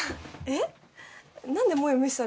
えっ？